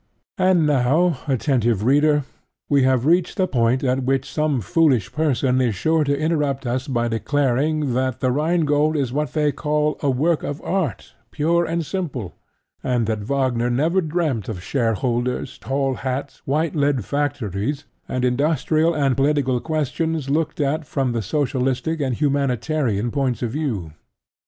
And now, attentive Reader, we have reached the point at which some foolish person is sure to interrupt us by declaring that The Rhine Gold is what they call "a work of art" pure and simple, and that Wagner never dreamt of shareholders, tall hats, whitelead factories, and industrial and political questions looked at from the socialistic and humanitarian points of view.